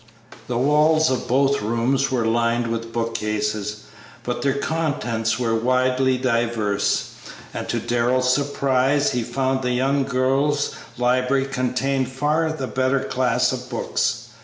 The walls of both rooms were lined with bookcases, but their contents were widely diverse, and, to Darrell's surprise, he found the young girl's library contained far the better class of books.